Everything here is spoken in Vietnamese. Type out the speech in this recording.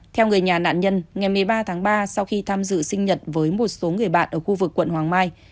theo người nhà nạn nhân ngày một mươi ba tháng ba sau khi tham dự sinh nhật với một số người bạn ở khu vực quận hoàng mai